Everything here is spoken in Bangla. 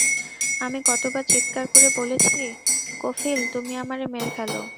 আমি কত বার চিৎকার করে বলেছি-কফিল, তুমি আমারে মেরে ফেল।